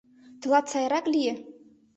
— Тылат сайрак лие?